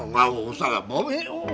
nggak usah bapak